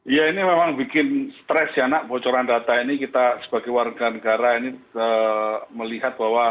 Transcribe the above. ya ini memang bikin stres ya nak bocoran data ini kita sebagai warga negara ini melihat bahwa